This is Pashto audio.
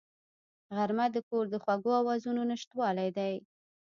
غرمه د کور د خوږو آوازونو نشتوالی دی